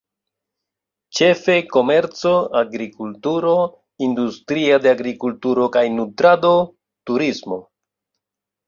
Ĉefe komerco, agrikulturo, industria de agrikulturo kaj nutrado, turismo.